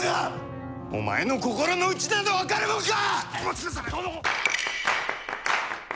お前の心のうちなど分かるもんか！